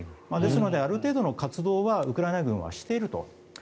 ですので、ある程度の活動はウクライナ軍はしていると。